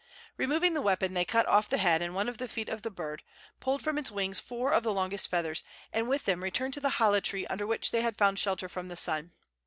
Removing the weapon, they cut off the head and one of the feet of the bird, pulled from its wings four of the longest feathers, and with them returned to the hala tree under which they had found shelter from the sun.